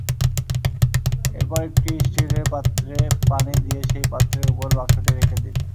এরপর একটি স্টিলের পাত্রে পানি নিয়ে সেই পাত্রের ওপর বাক্সটি রেখে দিন।